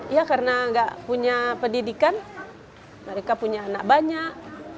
ya karena nggak punya pendidikan mereka punya anak banyak